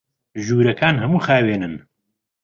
ژوورەکان هەموو خاوێنن.